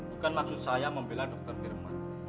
bukan maksud saya membela dokter firman